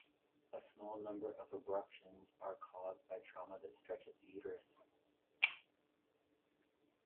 A small number of abruptions are caused by trauma that stretches the uterus.